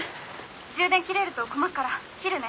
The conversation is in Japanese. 充電切れると困っから切るね。